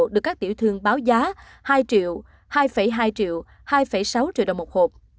được các tiểu thương báo giá hai triệu hai hai triệu hai sáu triệu đồng một hộp